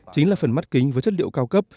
chính là phần mắt kính với chất liệu cao cấp